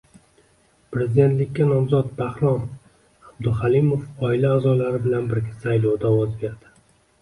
Prezidentlikka nomzod Bahrom Abduhalimov oila a’zolari bilan birga saylovda ovoz berdi